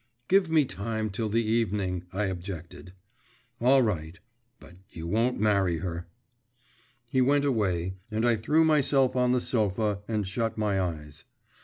'Give me time till the evening,' I objected. 'All right, but you won't marry her.' He went away, and I threw myself on the sofa, and shut my eyes.